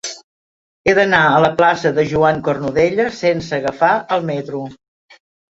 He d'anar a la plaça de Joan Cornudella sense agafar el metro.